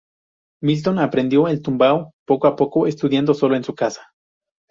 Milton aprendió el "tumbao" poco a poco, estudiando solo en su casa.